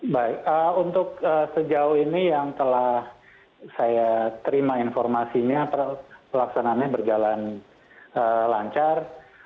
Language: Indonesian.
baik untuk sejauh ini yang telah saya terima informasinya pelaksanaannya berjalan lancar